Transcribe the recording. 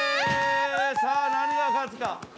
さぁ何が勝つか？